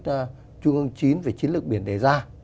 nghị quyết trung ương chín về chiến lược biển đề ra